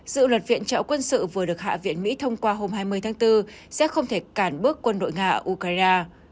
dự luật viện trợ quân sự vừa được hạ viện mỹ thông qua hôm hai mươi tháng bốn sẽ không thể cản bước quân đội nga ở ukraine